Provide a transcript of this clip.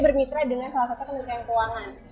bermitra dengan salah satu kementerian keuangan